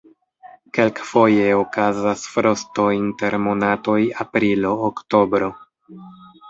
Kelkfoje okazas frosto inter monatoj aprilo-oktobro.